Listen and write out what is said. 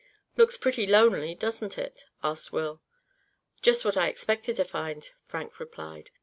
"Looks pretty lonely, doesn't it?" asked Will. "Just what I expected to find," Frank replied.